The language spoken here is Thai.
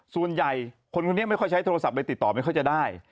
ส่วนใหญ่คนคนนี้ไม่ค่อยใช้โทรศัพท์เลยติดต่อไม่ค่อยจะได้